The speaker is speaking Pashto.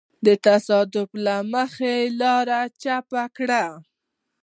د تصادف له مخې لاره چپ کړي.